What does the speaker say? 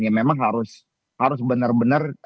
ya memang harus benar benar